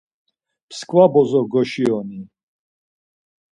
Mskva bozo goşiyoni.